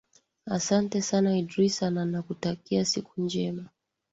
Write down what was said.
asante sana idrisa na nakutakia siku njema